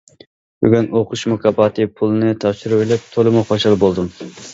بۈگۈن ئوقۇش مۇكاپات پۇلىنى تاپشۇرۇۋېلىپ تولىمۇ خۇشال بولدۇم.